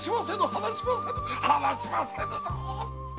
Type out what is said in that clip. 離しませぬぞ！